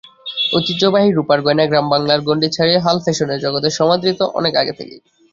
ঐতিহ্যবাহী রুপার গয়না গ্রামবাংলার গণ্ডি ছাড়িয়ে হাল ফ্যাশনের জগতে সমাদৃত অনেক আগে থেকেই।